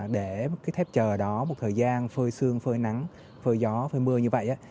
để cái thép chờ đó một thời gian phơi sương phơi nắng phơi gió phơi mưa như vậy